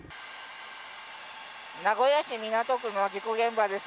名古屋市港区の事故現場です。